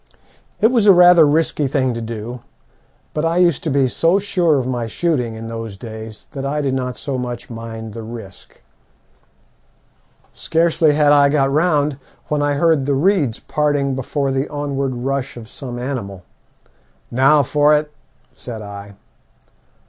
It was a rather risky thing to do, but I used to be so sure of my shooting in those days that I did not so much mind the risk. Scarcely had I got round when I heard the reeds parting before the onward rush of some animal. 'Now for it,' said I.